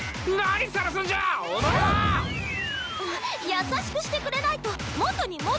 優しくしてくれないと元に戻れないっちゃ。